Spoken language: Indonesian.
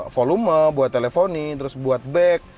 volume buat teleponin terus buat back